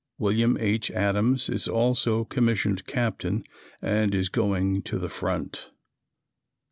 William H. Adams is also commissioned Captain and is going to the front.